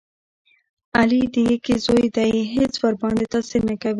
علي د یږې زوی دی هېڅ ورباندې تاثیر نه کوي.